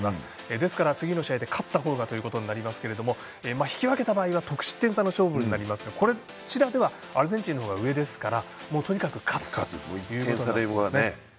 ですから、次の試合で勝った方がということになりますけれども引き分けた場合は得失点差の勝負になりますがこちらではアルゼンチンが上ですから、とにかく勝つということですね。